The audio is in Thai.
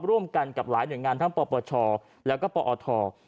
ร่วมกันกับหลายหน่วยงานทั้งปปชแล้วก็ปอท